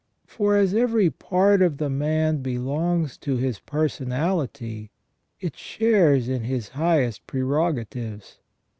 For as every part of the man belongs to his personality, it shares in his highest prerogatives.